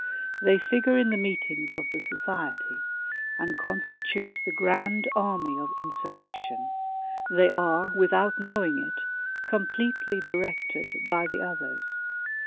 They figure in the meetings of the society, and constitute the grand army of insurrection ; they are, without knowing it, completely directed by the others.